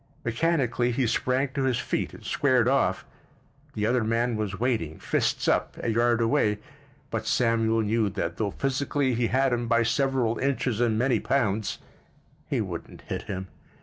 Mechanically he sprang to his feet and squared off. The other man was waiting, fists up, a yard away, but Samuel knew that though physically he had him by several inches and many pounds, he wouldn't hit him.